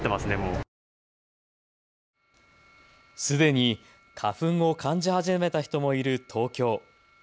すでに花粉を感じ始めた人もいる東京。